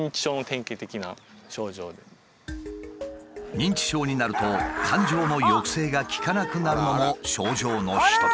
認知症になると感情の抑制が利かなくなるのも症状の一つ。